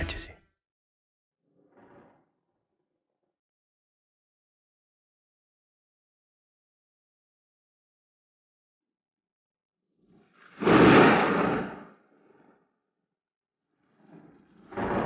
tidur lagi ya